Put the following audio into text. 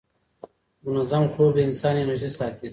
منظم خوب د انسان انرژي ساتي.